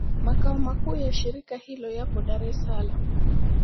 Makao makuu ya shirika hilo yapo Dar es Salaam.